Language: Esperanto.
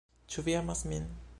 "Ĉu vi amas min?"